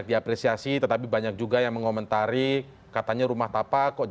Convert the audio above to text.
dikonsumsi oleh universitas trisakti